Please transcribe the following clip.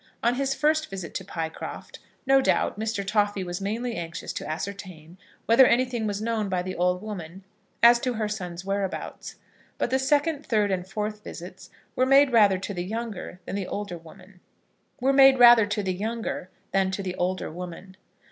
On his first visit to Pycroft no doubt, Mr. Toffy was mainly anxious to ascertain whether anything was known by the old woman as to her son's whereabouts, but the second, third, and fourth visits were made rather to the younger than to the older woman.